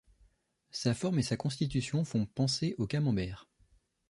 Sa forme et sa constitution font penser au camembert.